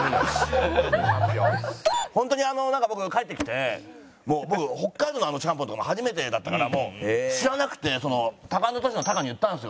ホントになんか僕帰ってきて僕北海道のちゃんぽんとかも初めてだったから知らなくてタカアンドトシのタカに言ったんですよ。